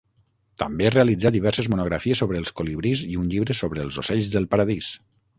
També realitzà diverses monografies sobre els colibrís i un llibre sobre els ocells del paradís.